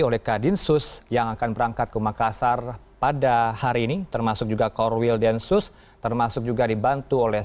oleh kadinsus yang akan berangkat ke makassar pada hari ini termasuk juga korwil densus termasuk juga dibantu oleh